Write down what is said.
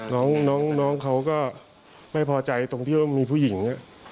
น้องเขาก็ไม่พอใจตรงที่ว่ามีผู้หญิง